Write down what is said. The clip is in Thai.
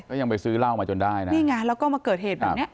ยังไปซื้อเหล้ามาจนได้นะนี่ไงแล้วก็มาเกิดเหตุแบบนี้